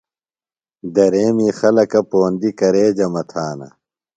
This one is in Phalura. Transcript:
دریمی خلکہ پوندیۡ کرے جمع تھانہ؟